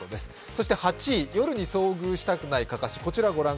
そして、８位夜に遭遇したくないかかし。